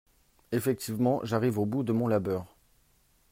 Effectivement, j'arrive au bout de mon labeur